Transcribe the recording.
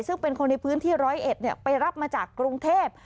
ซึ่งเป็นคนในพื้นที่๑๐๑ไปรับมาจากกรุงเทพฯ